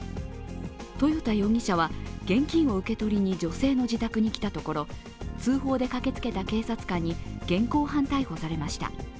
豊田容疑者は現金を受け取りに女性の自宅に来たところ通報で駆けつけた警察官に現行犯逮捕されました。